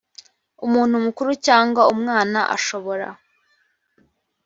umuntu mukuru cyangwa umwana ashobora